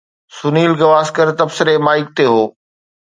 سنيل گواسڪر تبصري مائڪ تي هو.